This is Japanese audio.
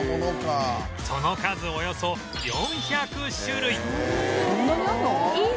その数およそ４００種類！